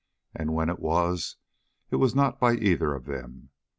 And when it was, it was not by either of them.